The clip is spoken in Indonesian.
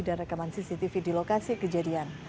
dan rekaman cctv di lokasi kejadian